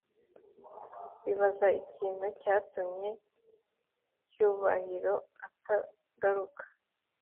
bibaza ikintu cyatumye cyubahiro atagaruka